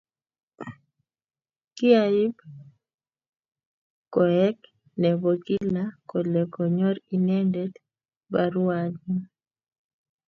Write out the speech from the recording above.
kiaib koek ne bo Kilaa kole konyor inendet baruatnyu